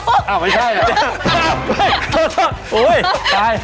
ไม่ใช่